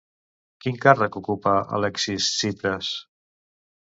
Quin càrrec ocupa Alexis Tsipras?